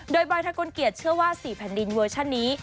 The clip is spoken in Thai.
โดยบอยทะกลเกียจเชื่อว่า๔แผ่นดินเวอร์ชันนี้